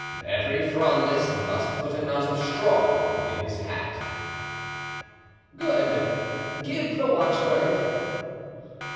"Every Frondist must put a knot of straw in his hat." "Good! Give the watchword."